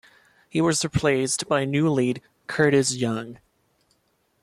He was replaced by new lead Curtis Young.